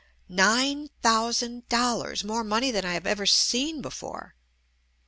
Nine thousand dollars! More money than I have ever seen before.